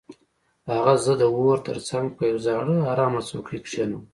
هغه زه د اور تر څنګ په یو زاړه ارامه څوکۍ کښینولم